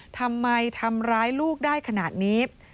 ทำร้ายลูกได้ขนาดนี้